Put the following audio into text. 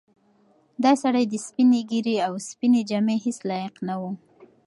دا سړی د سپینې ږیرې او سپینې جامې هیڅ لایق نه و.